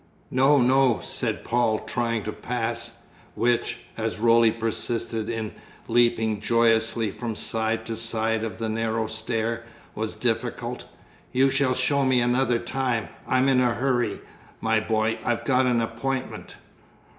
"No, no," said Paul, trying to pass (which, as Roly persisted in leaping joyously from side to side of the narrow stair, was difficult); "you shall show me another time. I'm in a hurry, my boy, I've got an appointment."